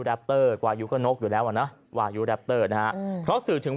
ปเตอร์วายุก็นกอยู่แล้วอ่ะนะวายุแรปเตอร์นะฮะเพราะสื่อถึง